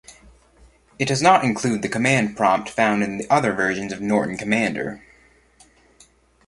It does not include the command prompt found in other versions of Norton Commander.